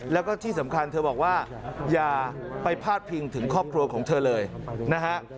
แล้วก็ที่สำคัญเธอบอกว่าอย่าไปพาดพิงถึงครอบครัวของเธอเลยนะฮะ